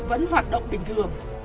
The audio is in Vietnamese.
vẫn hoạt động bình thường